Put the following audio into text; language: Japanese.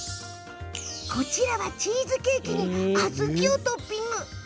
チーズケーキに小豆をトッピング。